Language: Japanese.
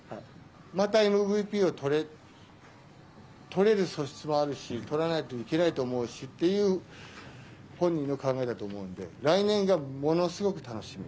またＭＶＰを取れる素質はあるし、とらないといけないというのもあるし、本人の考えだと思うので、来年がものすごく楽しみ。